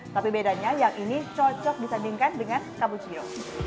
tapi bedanya yang ini cocok disandingkan dengan kabuchio